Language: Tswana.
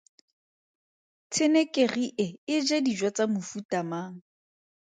Tshenekegi e e ja dijo tsa mofuta mang?